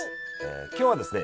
今日はですね